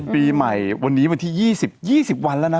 ปีใหม่วันนี้วันที่๒๐๒๐วันแล้วนะ